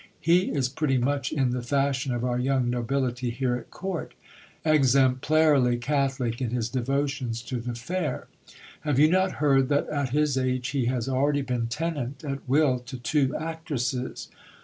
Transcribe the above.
He is pretty much in the fashion i of our young nobility here at court— exemplarily catholic in his devotions to the fair. Have you not heard that at his age he has already been tenant at will to two actresses